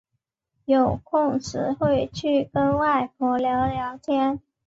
有空时会去跟外婆聊聊天